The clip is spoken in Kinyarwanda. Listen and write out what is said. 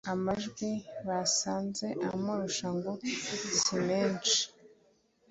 amajwi basanze amurusha ngo simenshi